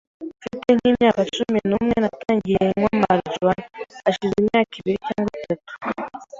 mfite nk’imyaka cumi numwe Natangiye nywa marijuana, hashize imyaka ibiri cyangwa itatu